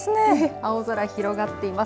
青空広がっています。